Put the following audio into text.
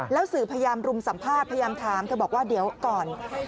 แล้วสื่อพยายามรุมสัมภาษณ์พยายามถามเธอบอกว่าเดี๋ยวก่อน